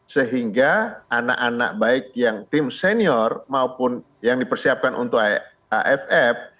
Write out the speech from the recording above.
sehingga anak anak baik yang tim senior maupun yang dipersiapkan untuk aff